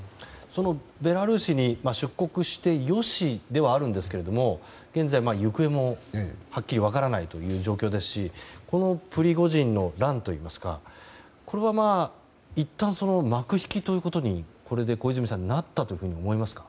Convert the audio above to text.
ベラルーシに出国してよしではあるんですけども現在、行方もはっきり分からない状況ですしこのプリゴジンの乱といいますかこれは、いったん幕引きというこれで、小泉さんはなったと思いますか？